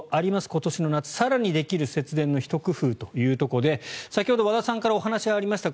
今年の夏、更にできる節電のひと工夫ということで先ほど和田さんからお話がありました